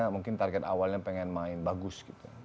mungkin target awalnya pengen main bagus gitu